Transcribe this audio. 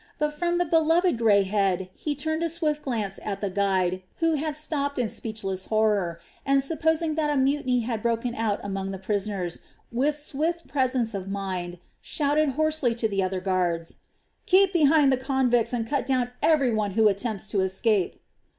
But from the beloved grey head he turned a swift glance at the guide, who had stopped in speechless horror, and supposing that a mutiny had broken out among the prisoners, with swift presence of mind shouted hoarsely to the other guards: "Keep behind the convicts and cut down every one who attempts to escape!"